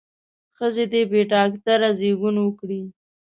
ښځې دې بې ډاکتره زېږون وکړي.